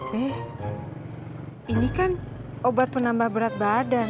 beh ini kan obat penambah berat badan